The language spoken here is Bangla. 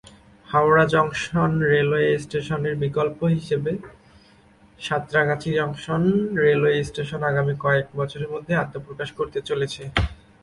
হাওড়া জংশন রেলওয়ে স্টেশন এর বিকল্প হিসেবে সাঁতরাগাছি জংশন রেলওয়ে স্টেশন আগামী কয়েক বছরের মধ্যেই আত্মপ্রকাশ করতে চলেছে।